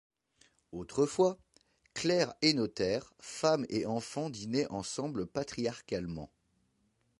Autrefois, clercs et notaire, femme et enfants dînaient ensemble patriarcalement.